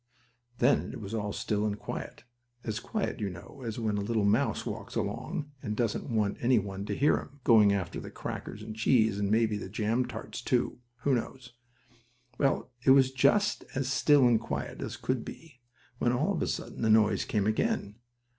Then it was all still, and quiet; as quiet, you know, as when a little mouse walks along, and doesn't want any one to hear him, going after the crackers and cheese, and maybe the jam tarts, too; who knows? Well, it was just as still and quiet as it could be, when all of a sudden the noise came again.